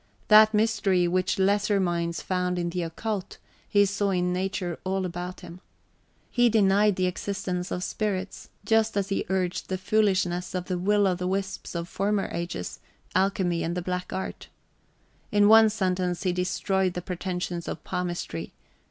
That mystery which lesser minds found in the occult, he saw in nature all about him. He denied the existence of spirits, just as he urged the foolishness of the will o' the wisps of former ages, alchemy and the black art. In one sentence he destroyed the pretensions of palmistry.